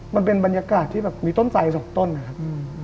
มันเป็นบรรยากาศที่แบบมีต้นไสสองต้นนะครับ